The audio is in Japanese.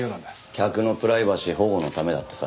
客のプライバシー保護のためだってさ。